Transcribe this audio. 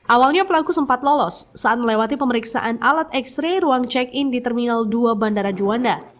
awalnya pelaku sempat lolos saat melewati pemeriksaan alat x ray ruang check in di terminal dua bandara juanda